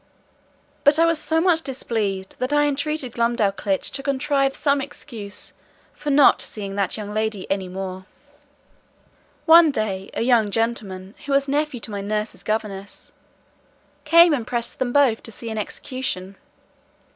But I was so much displeased, that I entreated Glumdalclitch to contrive some excuse for not seeing that young lady any more. One day, a young gentleman, who was nephew to my nurse's governess, came and pressed them both to see an execution.